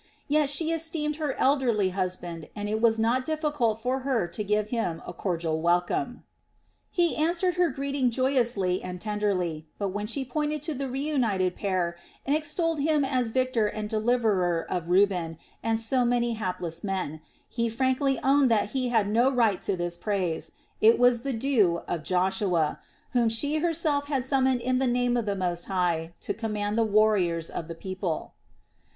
Yet she esteemed her elderly husband and it was not difficult for her to give him a cordial welcome. He answered her greeting joyously and tenderly; but when she pointed to the re united pair and extolled him as victor and deliverer of Reuben and so many hapless men, he frankly owned that he had no right to this praise, it was the due of "Joshua," whom she herself had summoned in the name of the Most High to command the warriors of the people.